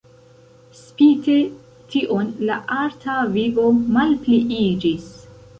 Spite tion la arta vivo malpliiĝis.